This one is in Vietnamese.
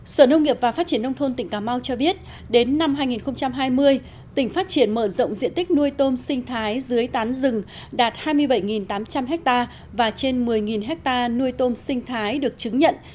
sở nông nghiệp và phát triển nông thôn tỉnh cà mau cho biết đến năm hai nghìn hai mươi tỉnh phát triển mở rộng diện tích nuôi tôm sinh thái dưới tán rừng đạt hai mươi bảy tám trăm linh ha và trên một mươi hectare nuôi tôm sinh thái được chứng nhận